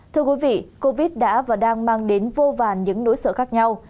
thưa quý vị covid đã và đang mang đến vô vàn những nỗi sợ khác nhau